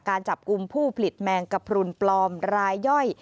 การจับกลุ่มผู้ผลิตแมงกระพรุนปลอมรายย่อย